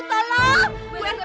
ibu bangun bu